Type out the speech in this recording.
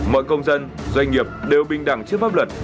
mọi công dân doanh nghiệp đều bình đẳng trước pháp luật